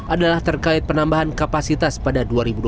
adalah terkait penambahan kapasitas pada dua ribu dua puluh